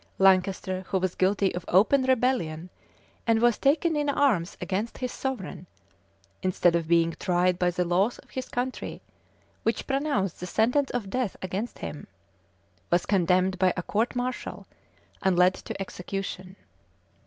Lancaster, who was guilty of open rebellion, and was taken in arms against his sovereign, instead of being tried by the laws of his country, which pronounced the sentence of death against him, was condemned by a court martial,[*] and led to execution.